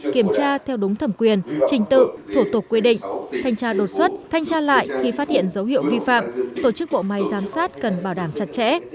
kiểm tra theo đúng thẩm quyền trình tự thủ tục quy định thanh tra đột xuất thanh tra lại khi phát hiện dấu hiệu vi phạm tổ chức bộ máy giám sát cần bảo đảm chặt chẽ